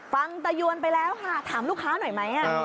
ตะวนไปแล้วค่ะถามลูกค้าหน่อยไหม